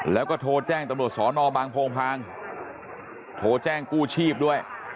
แล้วก็โทรแจ้งตำรวจสอนอบางโพงพางโทรแจ้งกู้ชีพด้วย